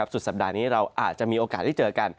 สุดสัปดาห์นี้เราอาจจะมีโอกาสได้เจอกัน